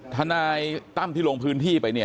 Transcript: ทนายตั้มที่ลงพื้นที่ไปเนี่ย